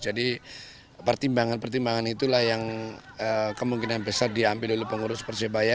jadi pertimbangan pertimbangan itulah yang kemungkinan besar diambil oleh pengurus persebaya